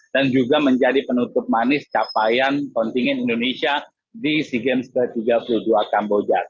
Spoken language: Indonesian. dan juga menjadi penutup manis capaian kontingen indonesia di sea games ke tiga puluh dua kamboja